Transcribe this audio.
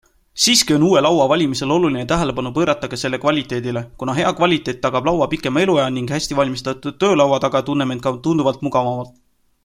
Siiski on uue laua valimisel oluline tähelepanu pöörata ka selle kvaliteedile, kuna hea kvaliteet tagab laua pikema eluea ning hästi valmistatud töölaua taga tunneme end ka tunduvalt mugavamalt.